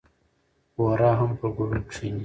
بورا هم پر ګلو کېني.